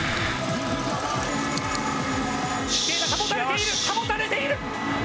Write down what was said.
飛型が保たれている、保たれている。